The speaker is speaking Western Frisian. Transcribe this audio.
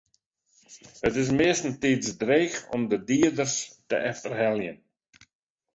It is meastentiids dreech om de dieders te efterheljen.